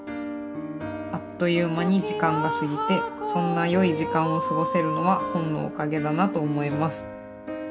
「『あっというま』に時間がすぎて、そんなよい時間をすごせるのは、本のおかげだなと思います」。